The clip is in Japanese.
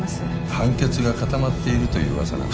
判決が固まっているという噂なんだ